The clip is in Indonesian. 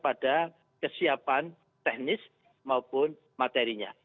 pada kesiapan teknis maupun materinya